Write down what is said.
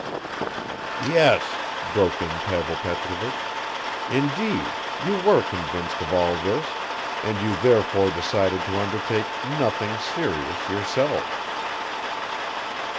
"Yes," broke in Pavel Petrovich, "indeed, you were convinced of all this and you therefore decided to undertake nothing serious yourselves."